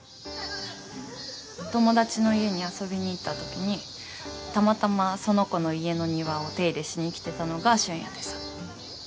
友達の家に遊びに行ったときにたまたまその子の家の庭を手入れしに来てたのが俊也でさ。